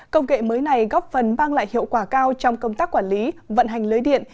công nghệ mới này góp phần mang lại hiệu quả cao trong công tác quản lý vận hành lưới điện